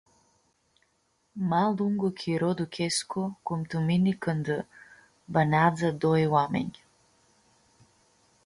Ma lungu chiro duchescu cum tu mini canda bãneadzã doi oaminj.